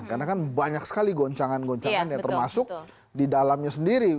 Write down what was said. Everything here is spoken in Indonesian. karena kan banyak sekali goncangan goncangan yang termasuk di dalamnya sendiri